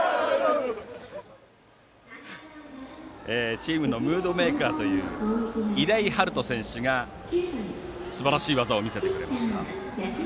チームのムードメーカーという出井悠翔選手がすばらしい技を見せてくれました。